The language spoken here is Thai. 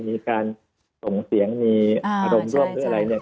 มีการส่งเสียงมีอารมณ์ร่วมหรืออะไรเนี่ย